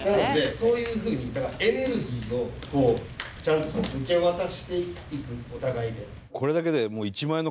そういうふうにだからエネルギーをこうちゃんと受け渡していくお互いで。